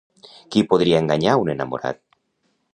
Qui podria enganyar un enamorat?